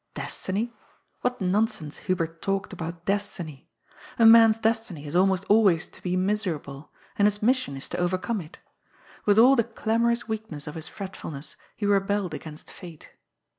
Destiny ? What non sense Hubert talked about Destiny ! A man's destiny is almost always to be miserable, and his mission is to over come it. With all the clamorous weakness of his fretf ulness he rebelled against Fate.